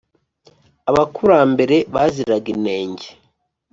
Abakurambere baziraga inenge